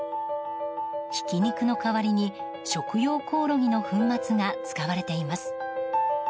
ひき肉の代わりに食用コオロギの粉末が使われています。